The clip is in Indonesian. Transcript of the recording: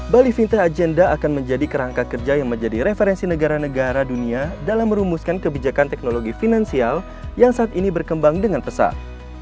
bali fintech agenda akan menjadi kerangka kerja yang menjadi referensi negara negara dunia dalam merumuskan kebijakan teknologi finansial yang saat ini berkembang dengan pesat